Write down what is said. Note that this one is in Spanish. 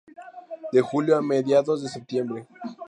De julio a mediados de septiembre.